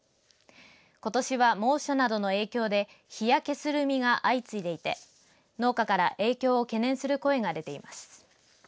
ことしは猛暑などの影響で日焼けする実が相次いでいて農家から影響を懸念する声が出ています。